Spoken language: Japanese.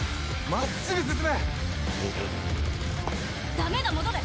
ダメだ戻れ！